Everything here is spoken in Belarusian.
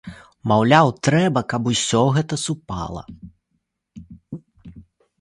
Маўляў, трэба, каб усё гэта супала.